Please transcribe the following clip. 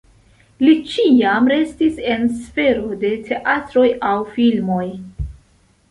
Li ĉiam restis en sfero de teatroj aŭ filmoj.